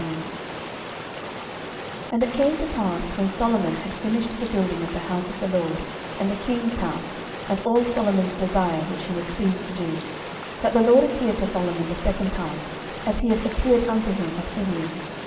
11:009:001 And it came to pass, when Solomon had finished the building of the house of the LORD, and the king's house, and all Solomon's desire which he was pleased to do, 11:009:002 That the LORD appeared to Solomon the second time, as he had appeared unto him at Gibeon.